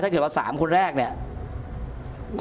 ถามว่า๓คนแรกเนี่ย